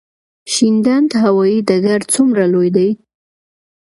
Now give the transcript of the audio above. شینډنډ هوايي ډګر څومره لوی دی؟